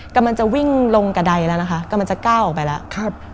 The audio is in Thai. กำลังจะวิ่งลงกระดายแล้วนะคะกำลังจะก้าวออกไปแล้วครับ